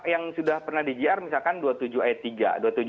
yang sudah pernah digiarkan misalkan dua puluh tujuh e tiga